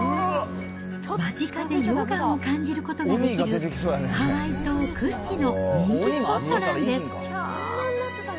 間近で溶岩を感じることができるハワイ島屈指の人気スポットなんです。